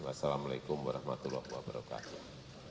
wassalamu'alaikum warahmatullahi wabarakatuh